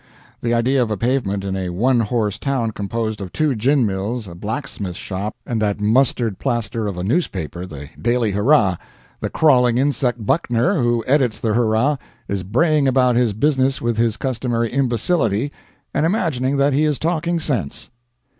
The idea of a pavement in a one horse town composed of two gin mills, a blacksmith shop, and that mustard plaster of a newspaper, the Daily Hurrah! The crawling insect, Buckner, who edits the Hurrah, is braying about his business with his customary imbecility, and imagining that he is talking sense.